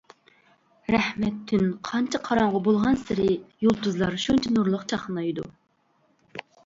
رەھمەت تۈن قانچە قاراڭغۇ بولغانسېرى يۇلتۇزلار شۇنچە نۇرلۇق چاقنايدۇ!